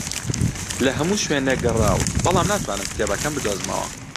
لە هەموو شوێنێک گەڕاوم، بەڵام ناتوانم کتێبەکەم بدۆزمەوە